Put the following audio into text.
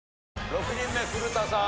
６人目古田さん